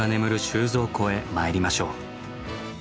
収蔵庫へ参りましょう。